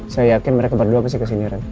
saya yakin mereka berdua pasti kesini